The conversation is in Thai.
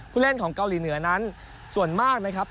เล่นของเกาหลีเหนือนั้นส่วนมากนะครับ